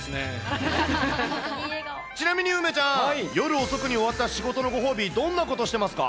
ちなみに梅ちゃん、夜遅くに終わった仕事のご褒美、どんなことしてますか？